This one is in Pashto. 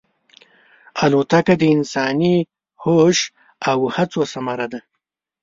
الوتکه د انساني هوش او هڅو ثمره ده.